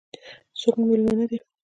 څوک مو مېلمانه دي؟